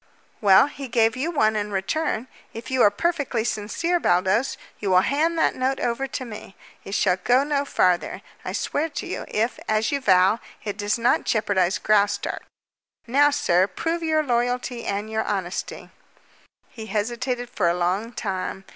"Well, he gave you one in return. If you are perfectly sincere, Baldos, you will hand that note over to me. It shall go no farther, I swear to you, if, as you vow, it does not jeopardize Graustark. Now, sir, prove your loyalty and your honesty." He hesitated for a long time.